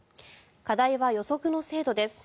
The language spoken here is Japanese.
課題は予測の精度です。